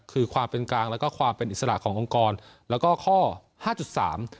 คือความเป็นกลางแล้วก็ความเป็นอิสระขององค์กรแล้วก็ข้อห้าจุดสาม